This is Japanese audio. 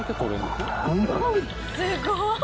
すごい！